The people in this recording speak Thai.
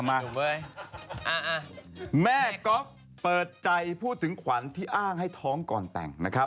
แม่ก๊อฟเปิดใจพูดถึงขวัญที่อ้างให้ท้องก่อนแต่งนะครับ